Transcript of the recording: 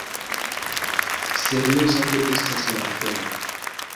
Serioza do estas la afero!